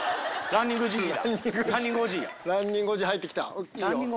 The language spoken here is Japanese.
ランニングおじい入って来た。